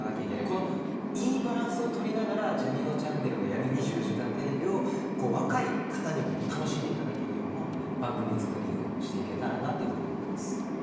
このいいバランスを取りながら、ジャにのちゃんねるがやる２４時間テレビを、若い方にも楽しんでいただけるような番組作りをしていけたらなと風磨も２回目？